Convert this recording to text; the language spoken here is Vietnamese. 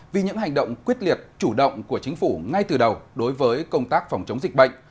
vì những hành động quyết liệt chủ động của chính phủ ngay từ đầu đối với công tác phòng chống dịch bệnh